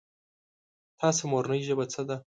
تاسو مورنۍ ژبه څه ده ؟